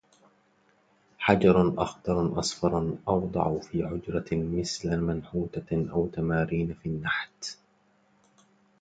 حَجَرٌ أَخضرُّ أَصفَرُّ أُوضَعُ في حُجْرَة مثلَ مَنْحُوتةٍ أَو تماريـنَ في النحت